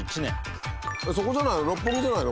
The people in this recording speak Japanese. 「そこじゃないの？」